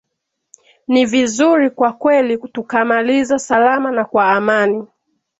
ni vizuri kwa kweli tukamaliza salama na kwa amani